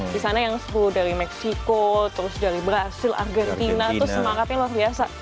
di sana yang full dari meksiko terus dari brazil argentina tuh semangatnya luar biasa